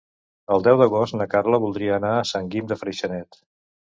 El deu d'agost na Carla voldria anar a Sant Guim de Freixenet.